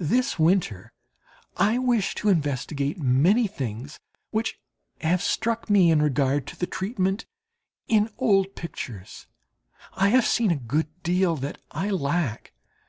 This winter I wish to investigate many things which have struck me in regard to the treatment in old pictures. I have seen a good deal that I lack.